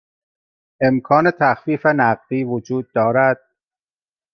امکان تخفیف نقدی وجود دارد؟